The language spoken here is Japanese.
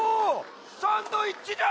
サンドイッチじゃ！